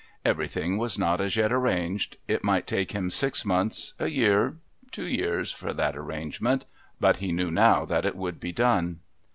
Everything was not as yet arranged; it might take him six months, a year, two years for that arrangement...but he knew now that it would be done.